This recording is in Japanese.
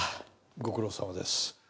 ご苦労さまです。